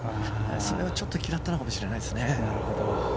それを嫌ったのかもしれないですね。